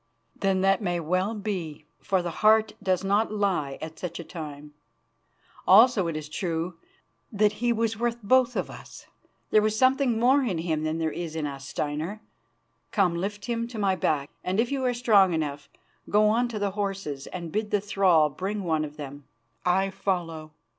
"Then that may well be, for the heart does not lie at such a time. Also it is true that he was worth both of us. There was something more in him than there is in us, Steinar. Come, lift him to my back, and if you are strong enough, go on to the horses and bid the thrall bring one of them. I follow."